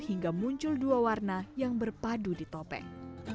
hingga muncul dua warna yang berpadu di topeng